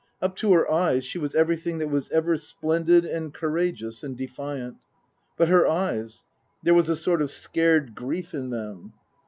Up to her eyes she was everything that was ever splendid and courageous and defiant. But her eyes there was a sort of scared grief in them.